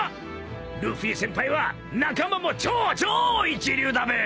［ルフィ先輩は仲間も超超一流だべ］